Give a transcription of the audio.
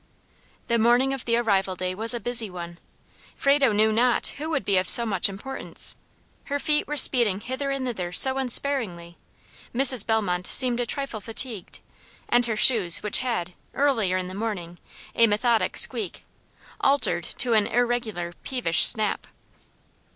The morning of the arrival day was a busy one. Frado knew not who would be of so much importance; her feet were speeding hither and thither so unsparingly. Mrs. Bellmont seemed a trifle fatigued, and her shoes which had, early in the morning, a methodic squeak, altered to an irregular, peevish snap.